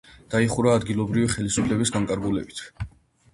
დაიხურა ადგილობრივი ხელისუფლების განკარგულებით.